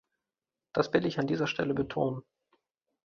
Das will ich an dieser Stelle betonen.